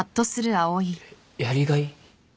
えやりがい？